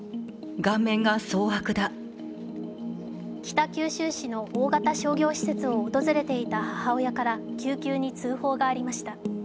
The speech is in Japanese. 北九州市の大型商業施設を訪れていた母親から救急に通報がありました。